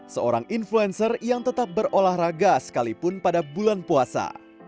seorang influencer yang tetap berolahraga sekalipun pada bulan puasa